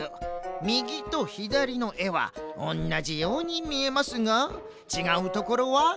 みぎとひだりのえはおんなじようにみえますがちがうところは３つ。